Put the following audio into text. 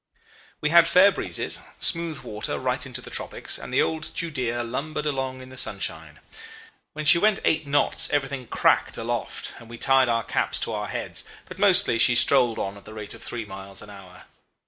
"We had fair breezes, smooth water right into the tropics, and the old Judea lumbered along in the sunshine. When she went eight knots everything cracked aloft, and we tied our caps to our heads; but mostly she strolled on at the rate of three miles an hour.